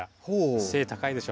背高いでしょ？